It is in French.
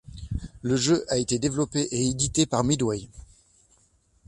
Le jeu a été développé et édité par Midway.